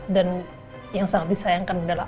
dan yang sangat disayangkan adalah